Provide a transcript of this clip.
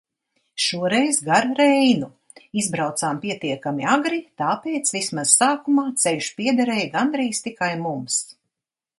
Šoreiz gar Reinu. Izbraucām pietiekami agri, tāpēc vismaz sākumā ceļš piederēja gandrīz tikai mums.